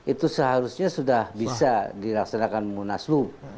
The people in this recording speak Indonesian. itu seharusnya sudah bisa dilaksanakan munaslub